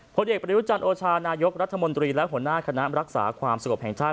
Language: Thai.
ผลเอกประยุจันทร์โอชานายกรัฐมนตรีและหัวหน้าคณะรักษาความสงบแห่งชาติ